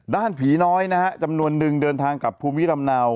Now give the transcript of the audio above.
ด้านผีน้อยนะครับจำนวนหนึ่งเดินทางกับภูมิลำเนา